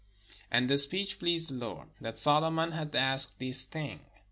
And the speech pleased the Lord, that Solomon had asked this thing.